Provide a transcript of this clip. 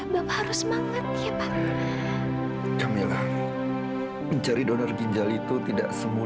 kamu harus mencari anak kandung kamu